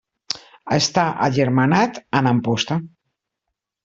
Està agermanat amb Amposta.